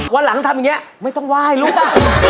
วันหลังทำอย่างเนี้ยไม่ต้องวายรู้ป่ะ